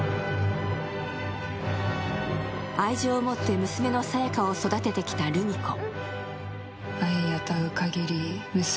愛情をもって娘の清佳を育ててきたルミ子。